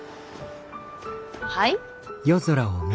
はい？